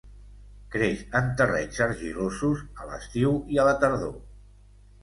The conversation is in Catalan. Creix en terrenys argilosos a l'estiu i a la tardor.